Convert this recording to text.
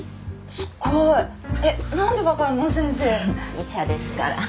医者ですから。